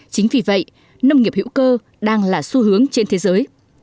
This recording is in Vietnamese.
chính vì vậy nông nghiệp hữu cơ đang là xu hướng trên thế giới